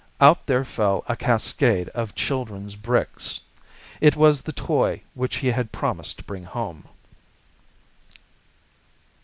Out there fell a cascade of children's bricks. It was the toy which he had promised to bring home.